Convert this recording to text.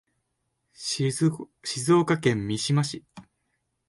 静岡県三島市